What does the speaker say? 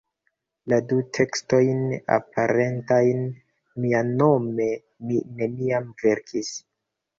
La du tekstojn aperantajn mianome mi neniam verkis!